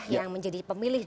yang menjadi pemilih